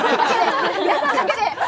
皆さんだけで。